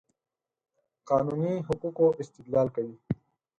قانوني حقوقو استدلال کوي.